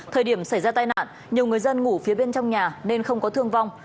thời điểm xảy ra tai nạn nhiều người dân ngủ phía bên trong nhà nên không có thương vong